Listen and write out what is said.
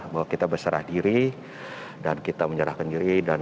bahwa kita berserah diri dan kita menyerahkan diri